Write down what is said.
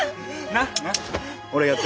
なっ？